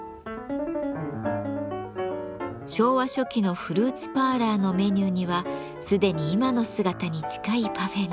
昭和初期のフルーツパーラーのメニューには既に今の姿に近いパフェが。